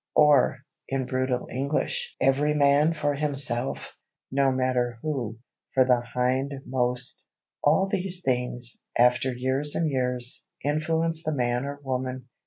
_" or, in brutal English "Every man for himself"—no matter who—"for the hindmost!" All these things, after years and years, influence the man or woman.